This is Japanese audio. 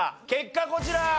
結果こちら。